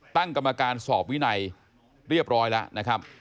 ตั้งกรรมการสอบวินัยเรียบร้อยแล้วนะครับ